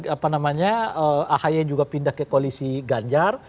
apa namanya ahy juga pindah ke koalisi ganjar